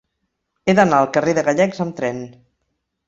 He d'anar al carrer de Gallecs amb tren.